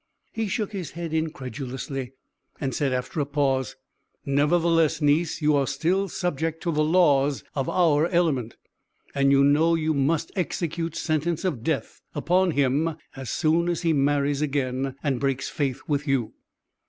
He shook his head incredulously, and said, after a pause: "Nevertheless, niece, you are still subject to the laws of our element; and you know you must execute sentence of death upon him as soon as he marries again, and breaks faith with you."